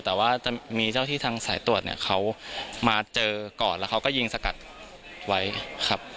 แต่ว่าจะมีเจ้าที่ทางสายตรวจเนี่ยเขามาเจอก่อนแล้วเขาก็ยิงสกัดไว้ครับ